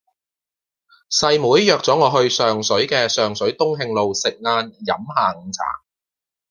細妹約左我去上水嘅上水東慶路食晏飲下午茶